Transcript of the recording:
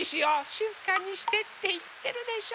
しずかにしてっていってるでしょ。